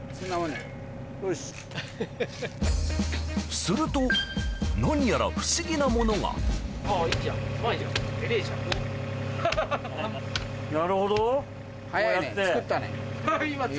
すると何やら不思議なものがなるほど。